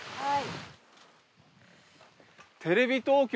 はい。